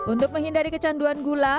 untuk menghindari kecanduan gula